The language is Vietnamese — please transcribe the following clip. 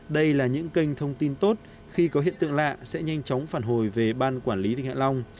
đây là những kênh thông tin tốt khi có hiện tượng lạ sẽ nhanh chóng phản hồi về ban quản lý vịnh hạ long